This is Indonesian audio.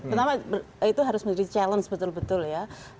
pertama itu harus menjadi challenge betul betul ya